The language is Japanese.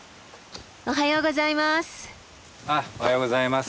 おはようございます。